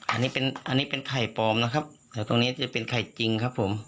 อันนี้เป็นอันนี้เป็นไข่ปลอมนะครับแต่ตรงนี้จะเป็นไข่จริงครับผม